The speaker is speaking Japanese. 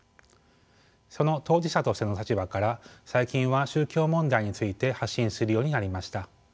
その当事者としての立場から最近は宗教問題について発信するようになりました。